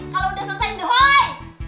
kalau udah selesai dehoy